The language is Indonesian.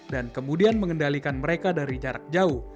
dan kemudian mengendalikan mereka dari jarak jauh